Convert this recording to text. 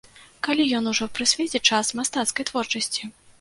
Калі ён ужо прысвеціць час мастацкай творчасці?